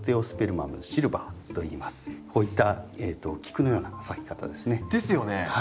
これはこういった菊のような咲き方ですね。ですよね。